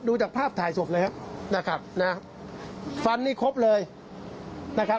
จากภาพถ่ายศพเลยครับนะครับนะฟันนี่ครบเลยนะครับ